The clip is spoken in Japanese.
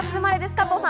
加藤さん。